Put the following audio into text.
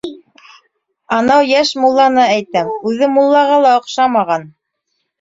Анау йәш мулланы әйтәм, үҙе муллаға ла оҡшамаған!